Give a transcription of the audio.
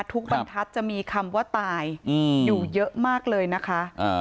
บรรทัศน์จะมีคำว่าตายอยู่เยอะมากเลยนะคะ